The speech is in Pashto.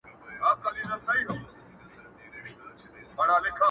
پر دغه لاره كه بلا ويــنــمــــه خــونـــــــد راكـــــــــوي.